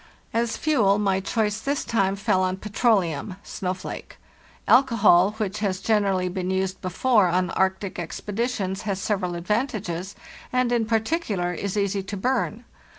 As fuel, my choice this time fell on petroleum ("snow flake"). Alcohol, which has generally been used before on Arctic expeditions, has several advantages, and, in particular, is easy to burn.